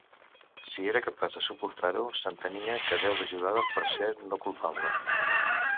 Si era capaç de suportar-ho, s'entenia que Déu l'ajudava per ser no culpable.